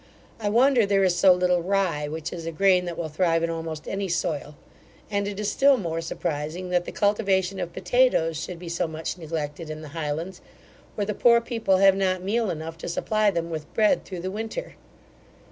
I wonder, there is so little rye, which is a grain that will thrive in almost any soil; and it is still more surprising, that the cultivation of potatoes should be so much neglected in the Highlands, where the poor people have not meal enough to supply them with bread through the winter.